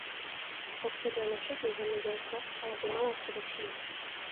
Potřebujeme všechny zemědělce, ale ty malé především.